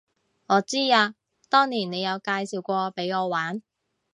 我知啊，當年你有介紹過畀我玩